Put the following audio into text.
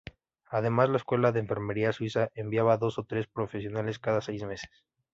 Además, la escuela de enfermería suiza enviaba dos o tres profesionales cada seis meses.